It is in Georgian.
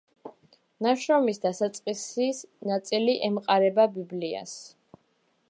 ნაშრომის დასაწყისი ნაწილი ემყარება ბიბლიას.